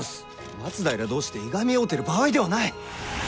松平同士でいがみ合うてる場合ではない。